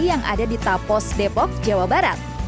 yang ada di tapos depok jawa barat